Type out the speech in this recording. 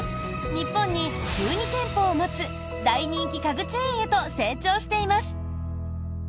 日本に１２店舗を持つ大人気家具チェーンへと成長しています。